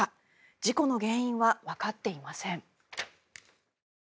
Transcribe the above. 事故の原因はわかっていません。